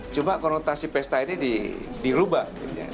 cuma konotasi pesta ini dirubah